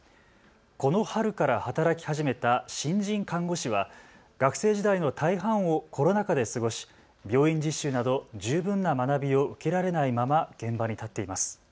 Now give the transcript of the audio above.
この春から働き始めた新人看護師は学生時代の大半をコロナ禍で過ごし、病院実習など十分な学びを受けられないまま現場に立っています。